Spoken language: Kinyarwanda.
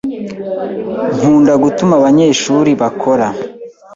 Nkunda gutuma abanyeshuri bakora.